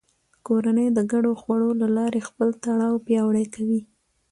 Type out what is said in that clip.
کورنۍ د ګډو خوړو له لارې خپل تړاو پیاوړی کوي